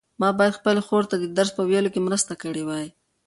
ما باید خپلې خور ته د درس په ویلو کې مرسته کړې وای.